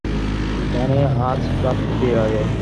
মানে, আজ রাত্রির আগে।